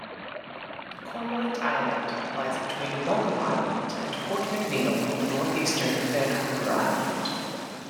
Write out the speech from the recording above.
Cormorant Island lies between Malcolm Island and Port McNeill on northeastern Vancouver Island.